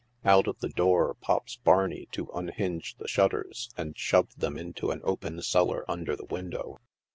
Out of the door pops Barney to unhinge the shutters and shove them into an open cellar under the window.